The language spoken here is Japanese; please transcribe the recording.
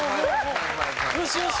よしよし。